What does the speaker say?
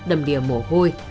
đầm đìa mổ hôi